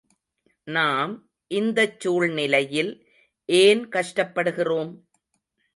நாம் இந்தச் சூழ்நிலையில் ஏன் கஷ்டப்படுகிறோம்?